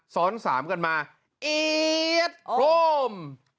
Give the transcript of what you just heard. สอนสามกันมาเอสโฟม